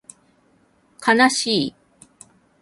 かなしい